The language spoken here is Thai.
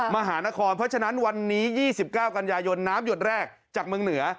มหานครเพราะฉะนั้นวันนี้๒๙กันยายนน้ำหยดแรกจากเมืองเหนือ